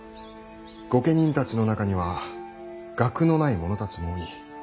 御家人たちの中には学のない者たちも多い。